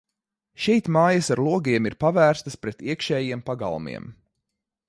Šeit mājas ar logiem ir pavērstas pret iekšējiem pagalmiem.